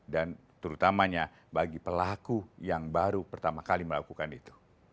dan terutamanya bagi pelaku yang baru pertama kali melakukan itu